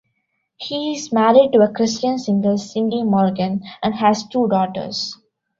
He is married to a Christian singer Cindy Morgan and has two daughters.